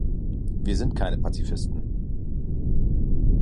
Wir sind keine Pazifisten.